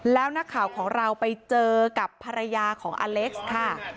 แล้วนักข่าวของเราไปเจอกับภรรยาของอเล็กซ์ค่ะ